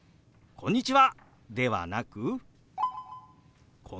「こんにちは。